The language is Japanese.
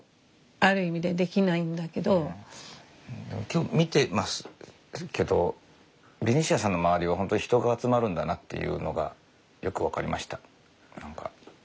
今日見てますけどベニシアさんの周りは本当に人が集まるんだなっていうのがよく分かりました何か。